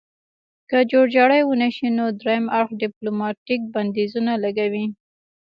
که جوړجاړی ونشي نو دریم اړخ ډیپلوماتیک بندیزونه لګوي